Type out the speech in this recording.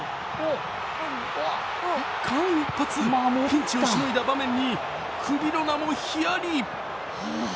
間一髪、ピンチをしのいだ場面にクリロナもヒヤリ。